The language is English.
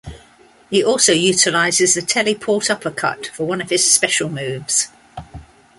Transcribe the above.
He also utilizes a teleport uppercut for one of his special moves.